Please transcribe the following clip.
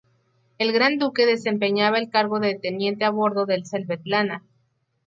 El gran duque desempeñaba el cargo de teniente a bordo del "Svetlana".